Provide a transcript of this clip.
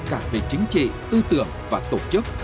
cả về chính trị tư tưởng và tổ chức